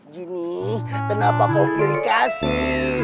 gini kenapa kau pilih kasih